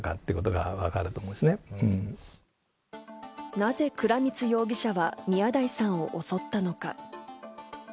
なぜ倉光容疑者は宮台さんを襲ったのか？